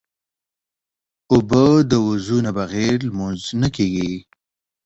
اوبه د وضو نه بغیر لمونځ نه کېږي.